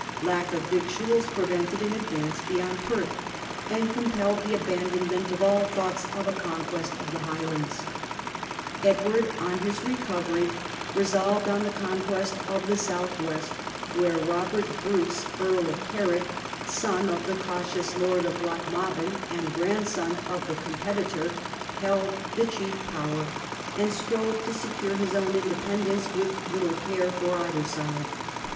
Lack of victuals prevented an advance beyond Perth, and compelled the abandonment of all thoughts of a conquest of the Highlands. Edward on his recovery resolved on the conquest of the south west, where Kobert Bruce, the young son of the cautious Earl of Carrick, and the grandson of the competitor, held the chief power and strove to secure his own independence with little care for either side.